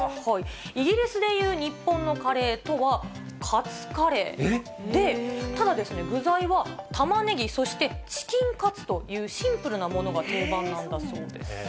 イギリスでいう日本のカレーとは、カツカレーで、ただ、具材はタマネギ、そしてチキンカツというシンプルなものが定番なんだそうです。